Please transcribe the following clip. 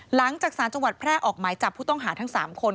หลังจากสารจังหวัดแพร่ออกหมายจับผู้ต้องหาทั้ง๓คน